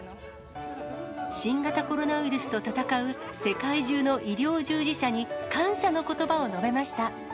新型コロナウイルスと闘う世界中の医療従事者に、感謝のことばを述べました。